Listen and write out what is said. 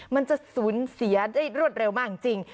มันจะสูญเสียได้รวดเร็วมากจริง